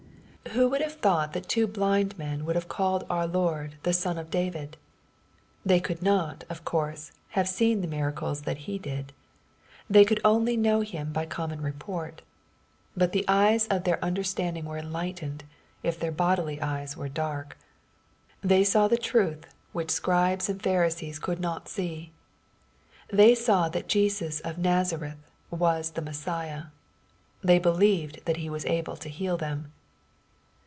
Who would have thought that two blind men would have called our Lord the " Son of David ?" They could not, of course, have seen the miracles that He did. They could only know Him by common report. But the eyes of their understanding were enlightened, if their bodily eyes were dark. They saw the truth which Scribes and Pharisees could not see. They saw that Jesus of Nazareth was the Messiah. They believed that He was able to heal them.